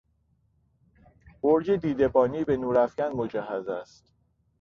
برج دیدهبانی به نور افکن مجهز است.